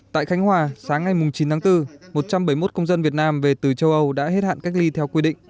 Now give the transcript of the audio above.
tại khánh hòa sáng ngày chín tháng bốn một trăm bảy mươi một công dân việt nam về từ châu âu đã hết hạn cách ly theo quy định